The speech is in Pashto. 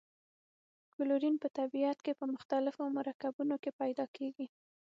کلورین په طبیعت کې په مختلفو مرکبونو کې پیداکیږي.